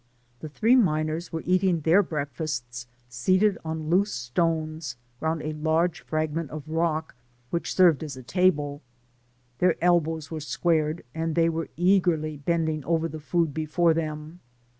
The three miners were eating their breakfasts seated on loose stones round a large frag ment of rock, which served as a table. Their elbows were squared, and they were eagerly bend* Digitized byGoogk THE GREAT OPRDILLERA. 151 ing over the food before them.